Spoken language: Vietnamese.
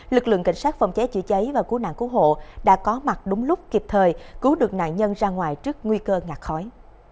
lực lượng cảnh sát phòng cháy chữa cháy và cứu nạn cứu hộ đã có mặt đúng lúc kịp thời cứu được nạn nhân ra ngoài trước nguy cơ ngạt khói